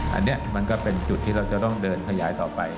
อันนี้มันก็เป็นจุดที่เราจะต้องเดินขยายต่อไป